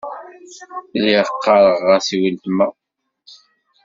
Lliɣ ɣɣareɣ-as i weltma.